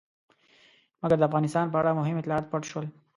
مګر د افغانستان په اړه مهم اطلاعات پټ شول.